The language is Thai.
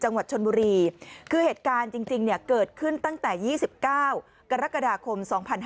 จังหวัดชนบุรีคือเหตุการณ์จริงเกิดขึ้นตั้งแต่๒๙กรกฎาคม๒๕๕๙